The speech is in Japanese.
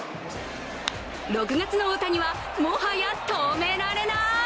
６月の大谷は、もはや止められない。